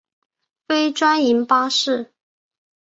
非专营巴士。